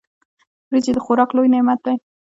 وريجي د خوراک لوی نعمت دی.